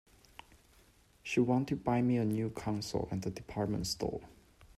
She went to buy me a new console at the department store.